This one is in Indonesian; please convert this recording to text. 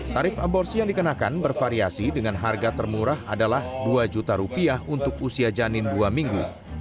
tarif aborsi yang dikenakan bervariasi dengan harga termurah adalah dua juta rupiah untuk usia janin dua minggu